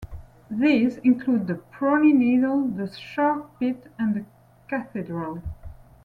These include the Prony needle, the Shark Pit and the Cathedral.